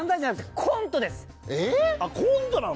あっコントなの？